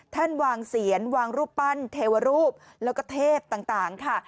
ท่านวางเสียนวางรูปปั้นเทวรูปแล้วก็เทพต่างค่ะ